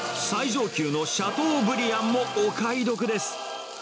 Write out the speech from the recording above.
最上級のシャトーブリアンもお買い得です。